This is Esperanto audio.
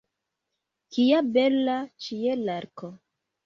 Kia bela ĉielarko!